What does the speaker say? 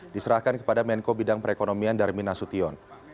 diserahkan kepada menko bidang perekonomian darminasution